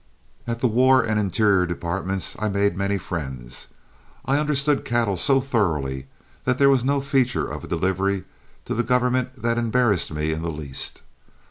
At the War and Interior departments I made many friends. I understood cattle so thoroughly that there was no feature of a delivery to the government that embarrassed me in the least.